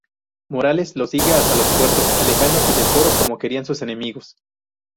Morales lo sigue hasta Los Puertos, alejándose de Coro como querían sus enemigos.